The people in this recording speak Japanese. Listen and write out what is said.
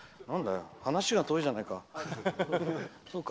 なんだよ話が遠いじゃないか。